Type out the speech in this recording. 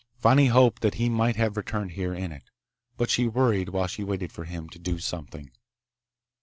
Fani hoped that he might have returned here in it. But she worried while she waited for him to do something.